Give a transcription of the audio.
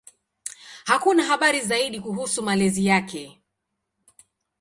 Hakuna habari zaidi kuhusu malezi yake.